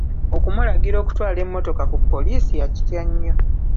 Okumulagira okutwala emmotoka ku poliisi yakitya nnyo.